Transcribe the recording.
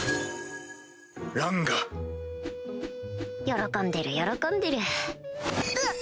喜んでる喜んでるうっ！